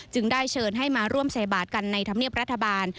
ได้เชิญให้มาร่วมใส่บาทกันในธรรมเนียบรัฐบาล